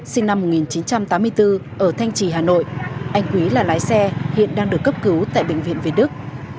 sinh năm một nghìn chín trăm tám mươi bốn ở thanh trì hà nội anh quý là lái xe hiện đang được cấp cứu tại bệnh viện việt đức